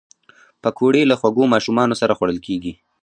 پکورې له خوږو ماشومانو سره خوړل کېږي